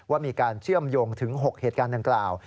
ว่ามีการเชื่อมโยงถึง๖เหตุการณ์ดังกล่าว